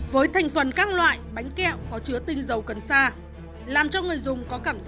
với thành phần các loại bánh kẹo có chứa tinh dầu cần xa